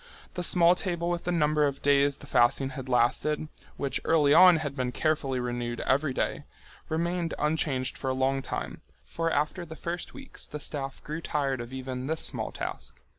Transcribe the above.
The small table with the number of days the fasting had lasted, which early on had been carefully renewed every day, remained unchanged for a long time, for after the first weeks the staff grew tired of even this small task.